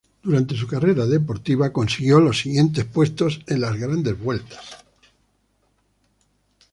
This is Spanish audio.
Durante su carrera deportiva consiguió los siguientes puestos en las Grandes Vueltas.